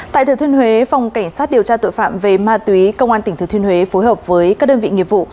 tại thừa thiên huế phòng cảnh sát điều tra tội phạm về ma túy công an tỉnh thừa thuyên huế phối hợp với các đơn vị nghiệp vụ